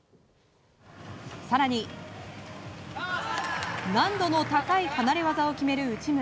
更に、難度の高い離れ技を決める内村。